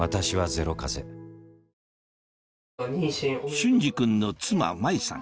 隼司君の妻・麻衣さん